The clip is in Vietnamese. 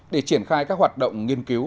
để triển khai các hoạt động nghiên cứu